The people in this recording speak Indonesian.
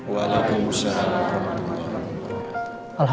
waalaikumsalam warahmatullahi wabarakatuh